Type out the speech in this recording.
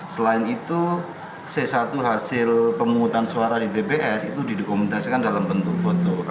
selain itu sesuatu hasil pengumutan suara di tps itu didokumentasikan dalam bentuk foto